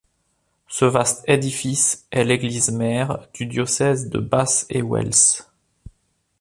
Ce vaste édifice est l'église-mère du diocèse de Bath et Wells.